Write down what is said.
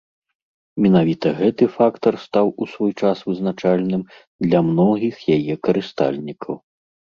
Менавіта гэты фактар стаў у свой час вызначальным для многіх яе карыстальнікаў.